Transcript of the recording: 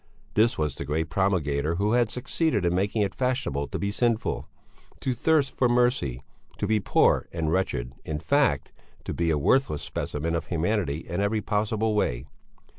This was the great promulgator, who had succeeded in making it fashionable to be sinful, to thirst for mercy, to be poor and wretched, in fact, to be a worthless specimen of humanity in every possible way.